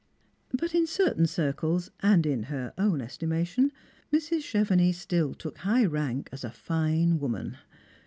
But in certain circles, and in her own estimation, Mrs. Chevenix still took high rank as a fine woman.